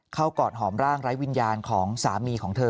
กอดหอมร่างไร้วิญญาณของสามีของเธอ